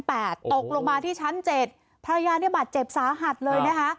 แปดโอ้โหตกลงมาที่ชั้นเจ็ดภรรยานี่หมาดเจ็บศาหัสเลยนะฮะ